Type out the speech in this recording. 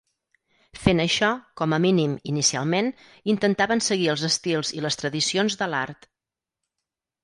Fent això, com a mínim inicialment, intentaven seguir els estils i les tradicions de l'art.